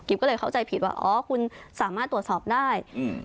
ก็เลยเข้าใจผิดว่าอ๋อคุณสามารถตรวจสอบได้อืม